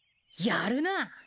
やるな。